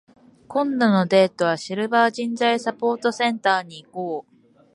今度のデートは、シルバー人材サポートセンターに行こう。